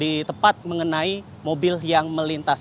di tepat mengenai mobil yang melintas